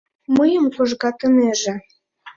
Мыйым кожгатынеже.